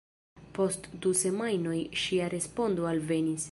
Post du semajnoj ŝia respondo alvenis.